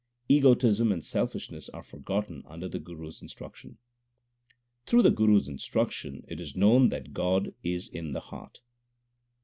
Egotism and selfishness are forgotten under the Guru s instruction. Through the Guru s instruction it is known that God is in the heart.